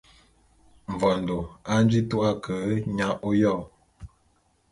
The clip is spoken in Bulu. Mvondô a nji tu’a ke nya oyô.